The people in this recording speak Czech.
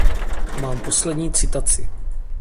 Mám poslední citaci.